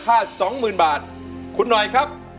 เพลงที่๒นะครับ